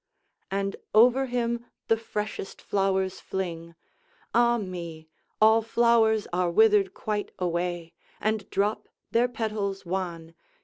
And over him the freshest flowers fling Ah me! all flowers are withered quite away And drop their petals wan!